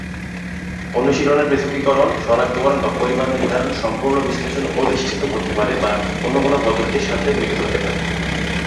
অনুশীলনে পৃথকীকরণ, শনাক্তকরণ বা পরিমাণ নির্ধারণ সম্পূর্ণ বিশ্লেষণ অধিষ্ঠিত করতে পারে বা অন্য কোনও পদ্ধতির সাথে মিলিত হতে পারে।